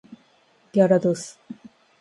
ギャラドス